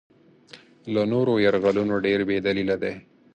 له نورو یرغلونو ډېر بې دلیله دی.